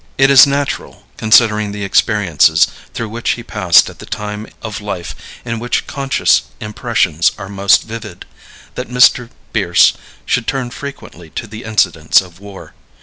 It is natural, considering the experiences through which he passed at the time of life in which conscious impressions are most vivid, that Mr. Bierce should turn frequently to the incidents of war.